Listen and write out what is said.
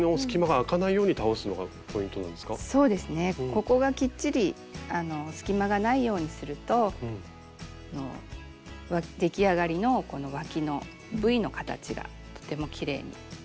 ここがきっちり隙間がないようにすると出来上がりのこのわきのＶの形がとてもきれいにできます。